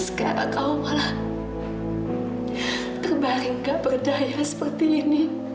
sekarang kau malah terbaring gak berdaya seperti ini